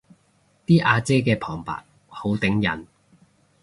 啲阿姐嘅旁白好頂癮